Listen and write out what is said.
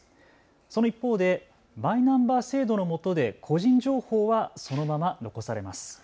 その一方でマイナンバー制度のもとで個人情報はそのまま残されます。